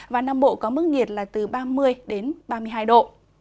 và nam bộ có mức nhiệt là từ ba mươi đến ba mươi hai độ